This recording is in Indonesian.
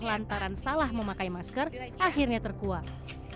lantaran salah memakai masker akhirnya terkuat